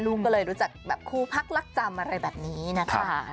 ลูกก็เลยรู้จักแบบคู่พักลักษณ์อะไรแบบนี้นะคะครับ